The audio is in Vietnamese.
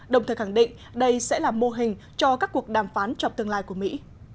đồng thời khẳng định đây sẽ là mô hình cho các cuộc đàm phán trong tương lai của mỹ